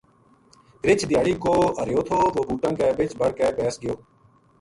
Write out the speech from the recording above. رچھ دھیاڑی کو ہریو تھو وہ بُوٹاں کے بچ بڑ کے بیس گیو